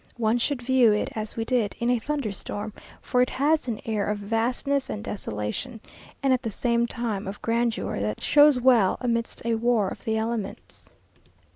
One should view it as we did, in a thunderstorm, for it has an air of vastness and desolation, and at the same time of grandeur, that shows well amidst a war of the elements.